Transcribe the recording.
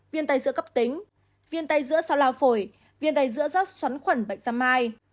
viêm tay giữa cấp tính viêm tay giữa sao lao phổi viêm tay giữa rác xoắn khuẩn bệnh da mai